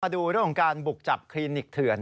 ดูเรื่องของการบุกจับคลินิกเถื่อน